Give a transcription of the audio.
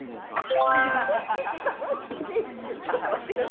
アハハ斬新ちょっと待ってください。